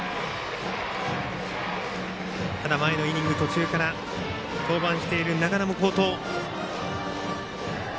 前のイニング途中から登板している中田も好投。